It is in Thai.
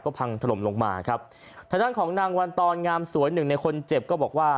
พังถล่มลงมาครับทางด้านของนางวันตอนงามสวยหนึ่งในคนเจ็บก็บอกว่า